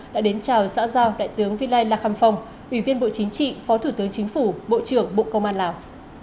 đã đến chào xã giao đại tướng vi lai lạc khăm phong ủy viên bộ chính trị phó thủ tướng chính phủ bộ trưởng bộ công an lào